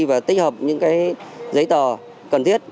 và tích hợp những giấy tờ cần thiết